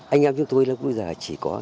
anh em chúng tôi lúc bây giờ chỉ có